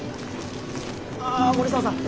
ああ森澤さん。